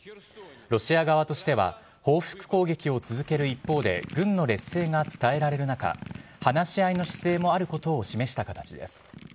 ロシア側としては報復攻撃を続ける一方で軍の劣勢が伝えられる中話し合いの姿勢もあることを示した形です。